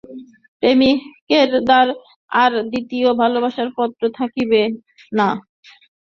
প্রেমিকের আর দ্বিতীয় ভালবাসার পাত্র থাকিবে না, কারণ প্রেমেই প্রেমিকের সর্বোচ্চ আদর্শ রূপায়িত।